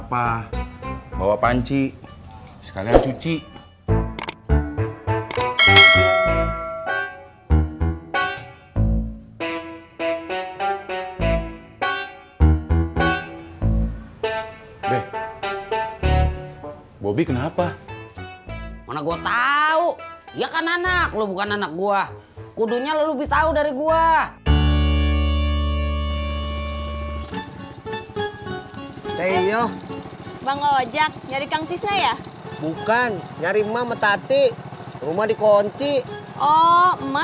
sampai jumpa di video selanjutnya